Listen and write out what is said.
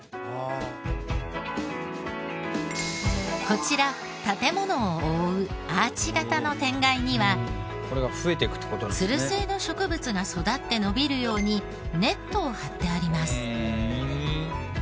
こちら建ものを覆うアーチ形の天蓋にはツル性の植物が育って伸びるようにネットを張ってあります。